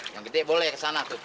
yang gede boleh kesana tuh